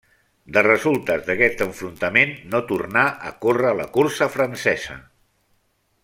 De resultes d'aquest enfrontament no tornà a córrer la cursa francesa.